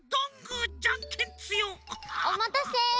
おまたせ！